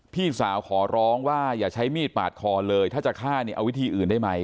พี่สาวขอร้องว่าอย่าใช้มีดปาดคอเลยถ้าจะฆ่าเนี่ยเอาวิธีอื่นได้ไหม